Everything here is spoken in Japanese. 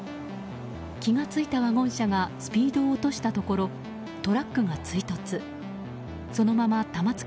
気が付いたワゴン車がスピードを落としたところトラックが追突。